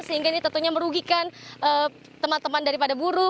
sehingga ini tentunya merugikan teman teman daripada buruh